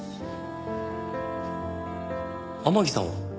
天樹さんは？